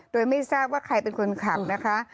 โดยไม่ทราบว่าใครเป็นคนขับนะคะ